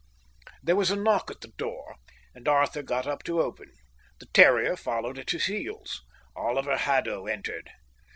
There was a knock at the door, and Arthur got up to open. The terrier followed at his heels. Oliver Haddo entered.